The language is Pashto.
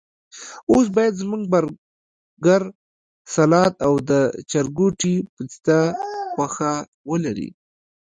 اوس باید زموږ برګر، سلاد او د چرګوټي پسته غوښه ولري.